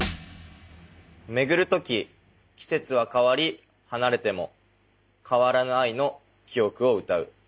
「巡る時季節は変わり離れても変わらぬ愛の記憶をうたう」。